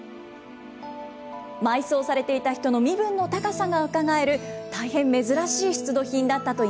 埋葬されていた人の身分の高さがうかがえる、大変珍しい出土品だ